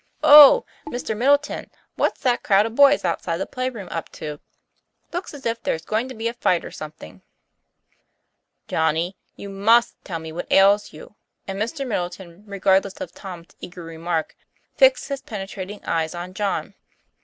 "Oh! Mr. Middleton, what's that crowd of boys outside the play room up to? Looks as if there's going to be a fight or something." "Johnny, you must tell me what ails you;" and Mr. Middleton, regardless of Tom's eager remark, fixed his penetrating eyes on John.